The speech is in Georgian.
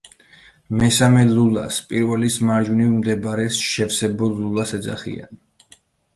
მესამე ლულას, პირველის მარჯვნივ მდებარეს, შევსებულ ლულას ეძახიან.